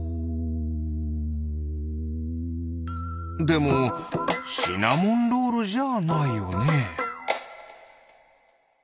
でもシナモンロールじゃないよね。